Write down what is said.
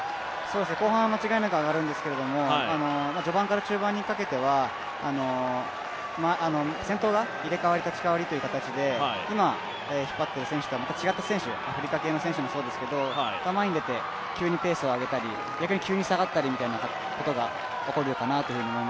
後半、間違いなく上がるんですけれども序盤から中盤にかけては先頭が入れ代わり立ち代わりという形で今、引っ張っている選手とはまた違った選手、アフリカ系の選手もそうですけど、前に出て、急にペースを上げたり逆に下がったりということもありますから。